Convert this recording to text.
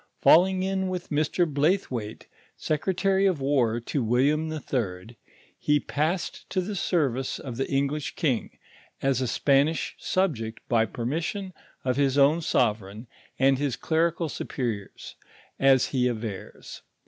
Falling in with Mr. Blaithwait, secretary of war to William HI., he passed to the service of the English king, as a Spanish subject^ by permission of his own sovereign, and his clerical superiors, as he avers.